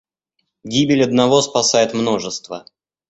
Гибель одного спасает множество.